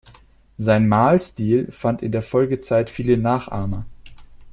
Sein Malstil fand in der Folgezeit viele Nachahmer.